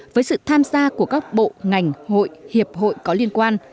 với sự tham gia của các bộ ngành hội hiệp hội có liên quan